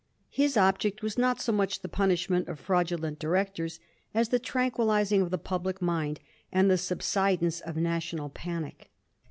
His object was not so much the punishment of fi'audulent directors as the tranquillising of the public mind, and the subsidence of national panic.